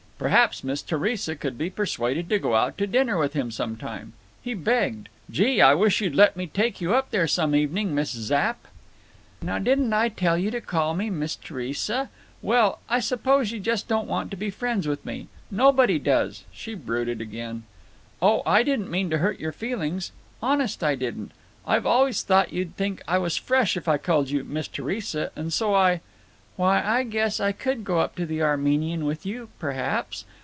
Perhaps Miss Theresa could be persuaded to go out to dinner with him some time. He begged: "Gee, I wish you'd let me take you up there some evening, Miss Zapp." "Now, didn't I tell you to call me 'Miss Theresa'? Well, I suppose you just don't want to be friends with me. Nobody does." She brooded again. "Oh, I didn't mean to hurt your feelings. Honest I didn't. I've always thought you'd think I was fresh if I called you 'Miss Theresa,' and so I—" "Why, I guess I could go up to the Armenian with you, perhaps.